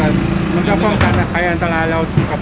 และที่เราต้องใช้เวลาในการปฏิบัติหน้าที่ระยะเวลาหนึ่งนะครับ